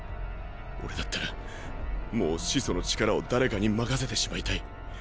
俺だったらもう始祖の力を誰かに任せてしまいたい。